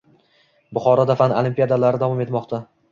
Buxoroda fan olimpiadalari davom etmoqda